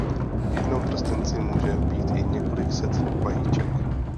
V jednom prstenci může být i několik set vajíček.